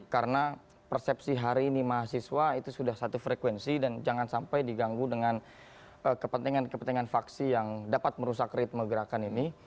karena persepsi hari ini mahasiswa itu sudah satu frekuensi dan jangan sampai diganggu dengan kepentingan kepentingan faksi yang dapat merusak ritme gerakan ini